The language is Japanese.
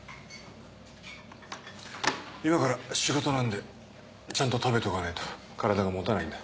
今から仕事なんでちゃんと食べておかないと体がもたないんだ。